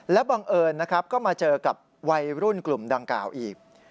บังเอิญนะครับก็มาเจอกับวัยรุ่นกลุ่มดังกล่าวอีก